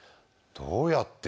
どうやって？